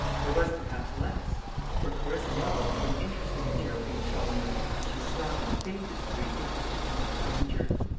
There was perhaps less; for Clarissa Lovel had been interested in Geraldine Challoner, and she was not in the faintest degree interested in Miss Granger.